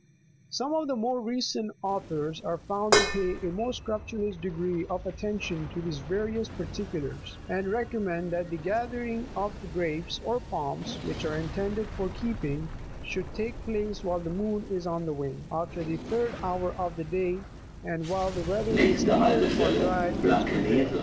Some of the more recent authors are found to pay a more scrupulous degree of attention to these various particulars, and recommend that the gathering of grapes or pomes, which are intended for keeping, should take place while the moon is on the wane,31 after the third hour of the day, and while the weather is clear, or dry winds prevail.